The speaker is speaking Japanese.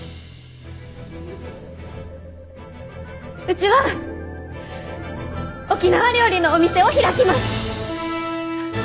うちは沖縄料理のお店を開きます！